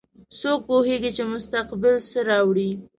څوک پوهیږي چې مستقبل څه راوړي